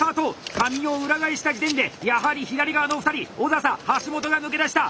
紙を裏返した時点でやはり左側の２人小佐々橋本が抜け出した！